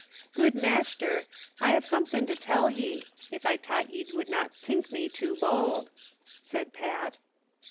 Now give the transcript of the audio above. "Good mashter, I have somethin' to tell jt, if I tought ye would not tink me too bould," said Pat.